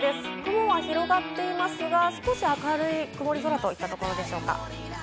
雲は広がっていますが、少し明るい曇り空といったところでしょうか。